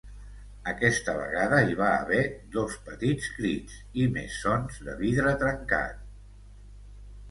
Aquesta vegada hi va haver dos petits crits i més sons de vidre trencat.